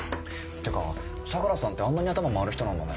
てか相良さんってあんなに頭回る人なんだね。